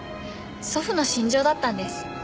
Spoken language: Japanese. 祖父の信条だったんです。